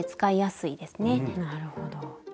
なるほど。